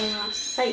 はい。